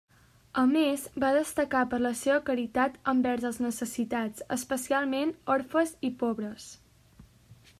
A més, va destacar per la seva caritat envers els necessitats, especialment orfes i pobres.